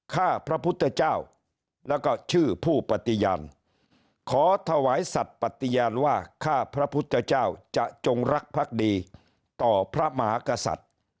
ข้าพระพุทธเจ้าแล้วก็ชื่อผู้ปฏิญาณขอถวายสัตว์ปฏิญาณว่าข้าพระพุทธเจ้าจะจงรักพักดีต่อพระมหากษัตริย์